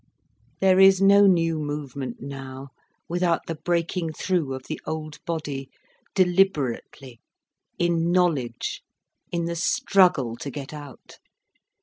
There is no new movement now, without the breaking through of the old body, deliberately, in knowledge, in the struggle to get out.